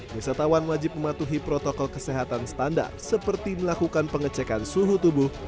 wisatawan wajib mematuhi protokol kesehatan standar seperti melakukan pengecekan suhu tubuh